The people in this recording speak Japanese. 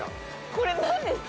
これ何ですか？